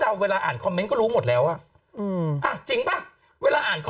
ฉันเห็นคอมเมนต์หลาเลย